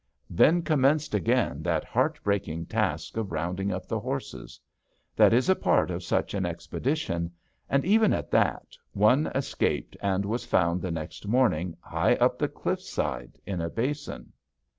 Then commenced again that heart breaking task of rounding up the horses. That is a part of such an expedition. And, even at that, one escaped and was found the next morning high up the cliffside, in a basin.